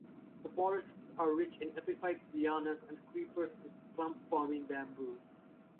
The forests are rich in epiphytes, lianas, and creepers and clump-forming bamboo.